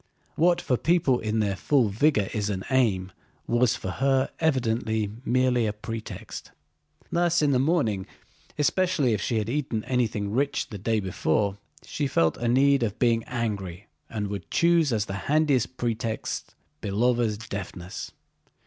What for people in their full vigor is an aim was for her evidently merely a pretext. Thus in the morning—especially if she had eaten anything rich the day before—she felt a need of being angry and would choose as the handiest pretext Belóva's deafness.